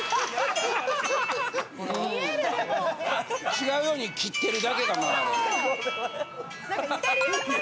違うように切ってるだけかなあれ。